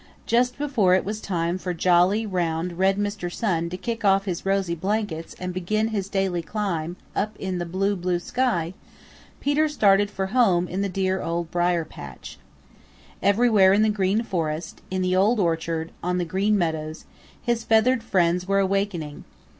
Just before it was time for jolly, round, red Mr. Sun to kick off his rosy blankets and begin his daily climb up in the blue, blue sky, Peter started for home in the dear Old Briar patch. Everywhere in the Green Forest, in the Old Orchard, on the Green Meadows, his feathered friends were awakening.